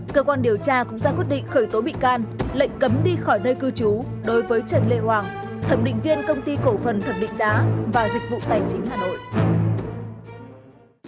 cơ quan điều tra cũng ra quyết định khởi tố bị can lệnh cấm đi khỏi nơi cư trú đối với trần lê hoàng thẩm định viên công ty cổ phần thẩm định giá và dịch vụ tài chính hà nội